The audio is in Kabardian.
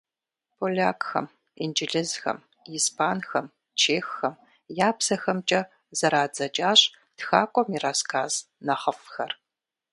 Полякхэм, инджылызхэм, испанхэм, чеххэм я бзэхэмкӀэ зэрадзэкӀащ тхакӀуэм и рассказ нэхъыфӀхэр.